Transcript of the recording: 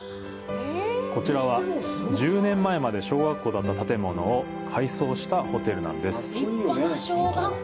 こちらは、１０年前まで小学校だった建物を改装したホテルなんです。